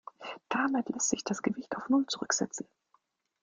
Damit lässt sich das Gewicht auf null zurücksetzen.